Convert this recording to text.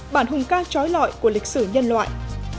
bản hùng ca trói lọi của lịch sử nhân loại